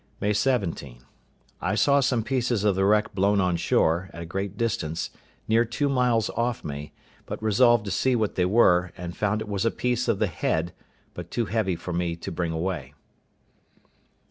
May 17.—I saw some pieces of the wreck blown on shore, at a great distance, near two miles off me, but resolved to see what they were, and found it was a piece of the head, but too heavy for me to bring away.